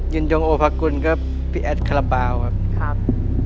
ยืนยงโอภาคุณก็พี่แอดขระบาวครับครับ